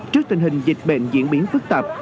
trước tình hình dịch bệnh diễn biến phức tạp